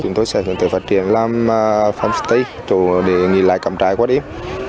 chúng tôi sẽ phát triển làm farmstay chỗ để nghỉ lại cầm trái quá đêm